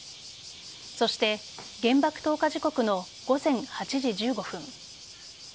そして原爆投下時刻の午前８時１５分。